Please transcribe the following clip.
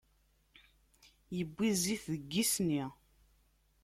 Iwwi zzit deg yisni.